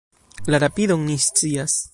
La rapidon ni scias.